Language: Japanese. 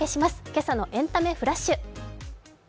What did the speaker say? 今朝の「エンタメフラッシュ」。